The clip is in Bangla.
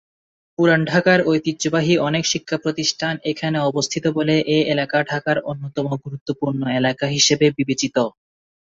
পুরান ঢাকার ঐতিহ্যবাহী অনেক শিক্ষাপ্রতিষ্ঠান এখানে অবস্থিত বলে এ এলাকা ঢাকার অন্যতম গুরুত্বপূর্ণ এলাকা হিসেবে বিবেচিত।